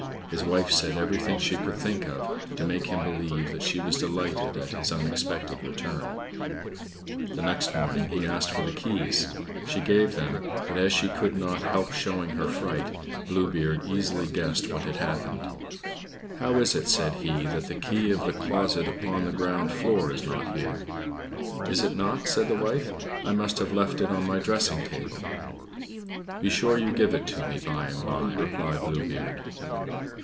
His wife said everything she could think of to make him believe that she was delighted at his unexpected return. The next morning, he asked for the keys. She gave them, but, as she could not help showing her fright, Blue Beard easily guessed what had happened. "How is it," said he, "that the key of the closet upon the ground floor is not here." "Is it not?" said the wife. "I must have left it on my dressing table." "Be sure you give it me by and by," replied Blue Beard.